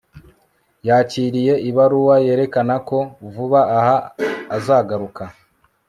yakiriye ibaruwa yerekana ko vuba aha azagaruka